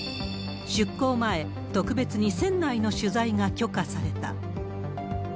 出航前、特別に船内の取材が許可された。